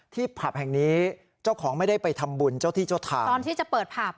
ผับแห่งนี้เจ้าของไม่ได้ไปทำบุญเจ้าที่เจ้าทางตอนที่จะเปิดผับ